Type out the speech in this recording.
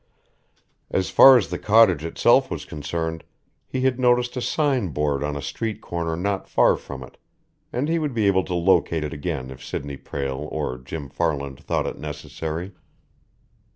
As far as the cottage itself was concerned, he had noticed a signboard on a street corner not far from it, and he would be able to locate it again if Sidney Prale or Jim Farland thought it necessary.